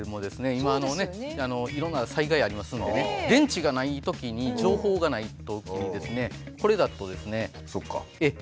今いろんな災害ありますのでね電池がないときに情報がないときにですね